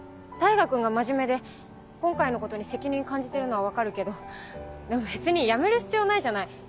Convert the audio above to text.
大牙君が真面目で今回のことに責任感じてるのは分かるけどでも別に辞める必要ないじゃない。